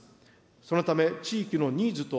そのため地域のニーズと、